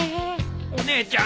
お姉ちゃん